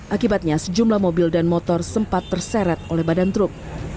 akibatnya sejumlah mobil dan motor sempat terseret oleh badan truk